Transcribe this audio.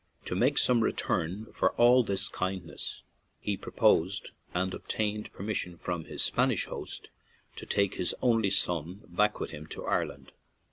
To make some return for all this kindness, he proposed and obtained permission from his Spanish host to take 101 ON AN IRISH JAUNTING CAR his only son back with him to Ireland.